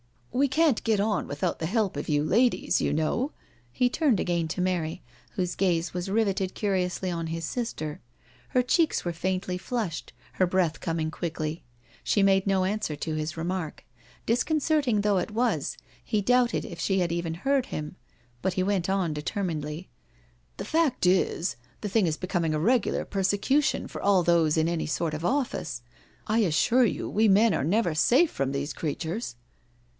" We can't get on without the help of you ladies, you know." He turned again to Mary, whose gaze was riveted curiously on his sister. Her cheeks were faintly flushed, her breath came quickly. She made no answer to his remark. Disconcerting though it was, he doubted if she had even heard him. But he went on determinedly: " The fact is, the thing is becoming a regular per secution of all those in any sort of office. I assure you we men are never safe from these creatures."